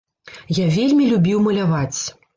Я вельмі любіў маляваць.